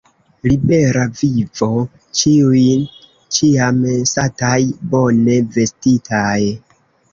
Libera vivo, ĉiuj ĉiam sataj, bone vestitaj!